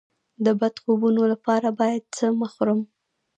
د بد خوبونو لپاره باید څه مه خورم؟